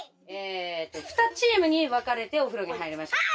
２チームに分かれてお風呂に入りましょう。